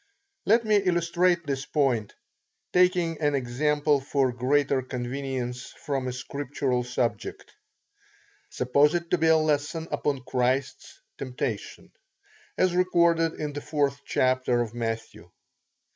Let me illustrate this point, taking an example for greater convenience from a scriptural subject. Suppose it to be a lesson upon Christ's temptation, as recorded in the 4th chapter of Matthew.